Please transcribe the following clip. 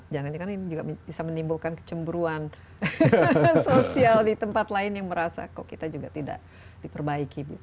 jangan jangan ini juga bisa menimbulkan kecemburuan sosial di tempat lain yang merasa kok kita juga tidak diperbaiki